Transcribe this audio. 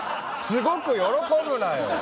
すごく喜ぶなよ